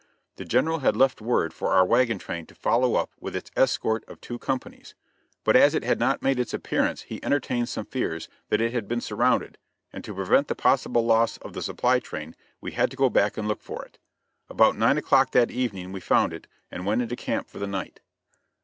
The General had left word for our wagon train to follow up with its escort of two companies, but as it had not made its appearance he entertained some fears that it had been surrounded, and to prevent the possible loss of the supply train we had to go back and look for it. About 9 o'clock that evening we found it, and went into camp for the night.